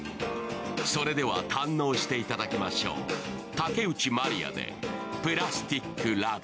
それでは堪能していただきましょう、竹内まりやで「プラスティック・ラブ」。